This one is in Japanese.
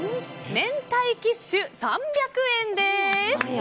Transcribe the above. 明太キッシュ、３００円です。